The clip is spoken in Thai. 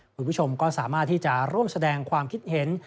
คุณผู้ชมก็สามารถที่จะร่วมแสดงความคิดเห็น